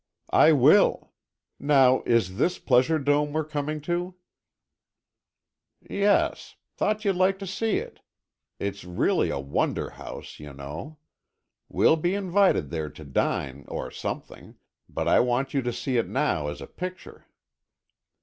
"I will. Now is this Pleasure Dome we're coming to?" "Yes. Thought you'd like to see it. It's really a wonder house, you know. We'll be invited there to dine or something, but I want you to see it now as a picture."